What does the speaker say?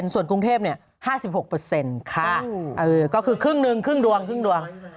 ส่วนกรุงเทพฯเนี่ย๕๖ค่ะก็คือครึ่งหนึ่งครึ่งดวง